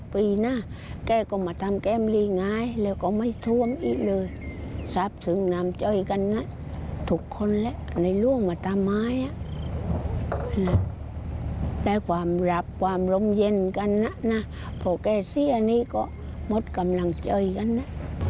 พ่อแก่เสียนี้ก็หมดกำลังเจอกันน่ะ